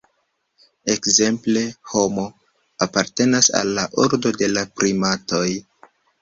Ekzemple, "Homo" apartenas al la ordo de la primatoj.